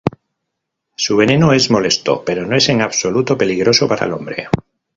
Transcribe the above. Su veneno es molesto pero no es en absoluto peligroso para el hombre.